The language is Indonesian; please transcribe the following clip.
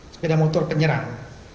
sepeda motor penyerang